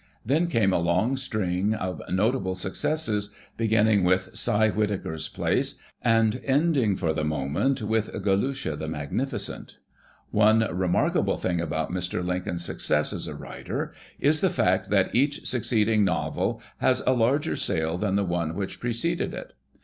Then came a long string of notable ^^ j ip „^ Cape Cod Folks JOSEPH CROSBY LINCOLN successes, beginning with "Cy Whittaker's Place" and ending, for the moment, with "Galusha the Magnificent." One re markable thing about Mr. Lincoln's success as a writer is the fact that each succeeding novel has a larger sale than the one which preceded it.